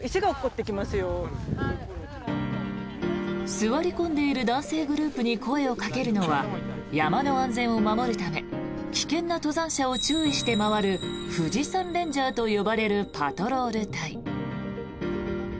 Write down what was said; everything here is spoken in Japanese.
座り込んでいる男性グループに声をかけるのは山の安全を守るため危険な登山者を注意して回る富士山レンジャーと呼ばれるパトロール隊。